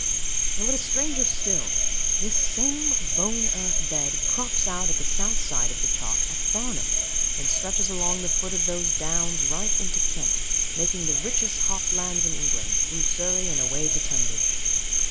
And what is stranger still, this same bone earth bed crops out on the south side of the chalk at Farnham, and stretches along the foot of those downs, right into Kent, making the richest hop lands in England, through Surrey, and away to Tunbridge.